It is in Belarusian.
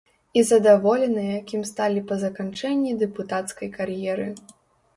І задаволеныя, кім сталі па заканчэнні дэпутацкай кар'еры.